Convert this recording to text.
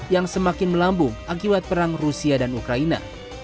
yang semakin melambung akibat perang rusia dan ukraina